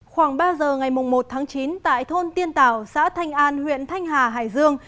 khoảng ba giờ ngày một tháng chín tại thôn tiên tảo xã thanh an huyện thanh hà hải dương